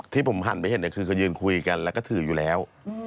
ที่ผมหันไปเห็นคือเขายืนคุยกันแล้วก็ถืออยู่แล้ว